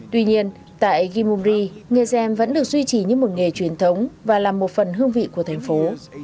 tuy nhiên tại gimumri nghề gen vẫn được duy trì như một nghề truyền thống và là một phần hương vị của thành phố